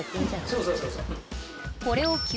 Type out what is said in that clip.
・そうそうそうそう。